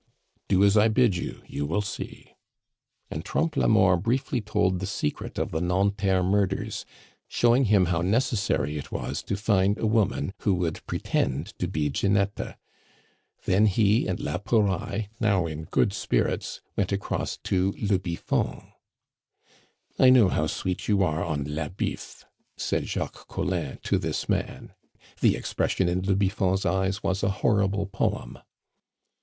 "Do as I bid you; you will see." And Trompe la Mort briefly told the secret of the Nanterre murders, showing him how necessary it was to find a woman who would pretend to be Ginetta. Then he and la Pouraille, now in good spirits, went across to le Biffon. "I know how sweet you are on la Biffe," said Jacques Collin to this man. The expression in le Biffon's eyes was a horrible poem.